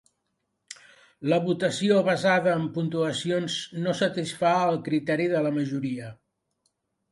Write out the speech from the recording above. La votació basada en puntuacions no satisfà el criteri de la majoria.